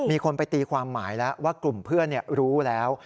มีคนไปตีความหมายแล้วว่ากลุ่มเพื่อนรู้แล้ว